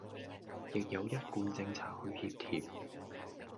亦有一貫政策去協調